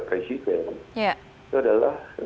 presiden itu adalah